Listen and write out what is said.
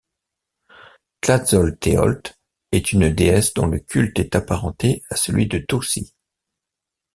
Tlazolteotl est une déesse dont le culte est apparenté à celui de Toci.